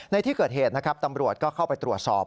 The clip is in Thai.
ในที่เกิดเหตุนะครับตำรวจก็เข้าไปตรวจสอบ